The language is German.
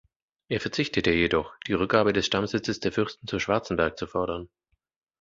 Er verzichtete jedoch, die Rückgabe des Stammsitzes der Fürsten zu Schwarzenberg zu fordern.